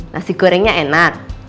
nasi gorengnya enak